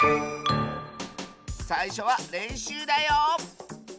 さいしょはれんしゅうだよ！